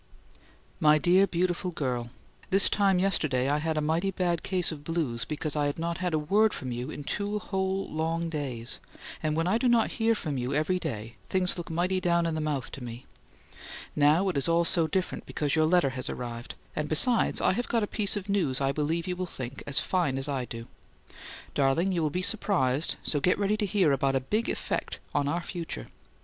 MY DEAR, BEAUTIFUL GIRL: This time yesterday I had a mighty bad case of blues because I had not had a word from you in two whole long days and when I do not hear from you every day things look mighty down in the mouth to me. Now it is all so different because your letter has arrived and besides I have got a piece of news I believe you will think as fine as I do. Darling, you will be surprised, so get ready to hear about a big effect on our future.